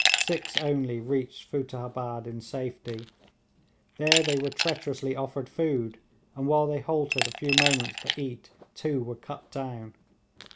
Six only reached Futtehabad in safety. There they were treacherously offered food, and while they halted a few moments to eat two were cut down.